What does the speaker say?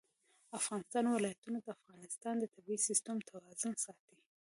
د افغانستان ولايتونه د افغانستان د طبعي سیسټم توازن ساتي.